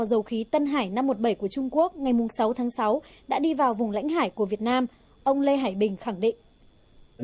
dầu khí tân hải năm trăm một mươi bảy của trung quốc ngày sáu tháng sáu đã đi vào vùng lãnh hải của việt nam ông lê hải bình khẳng định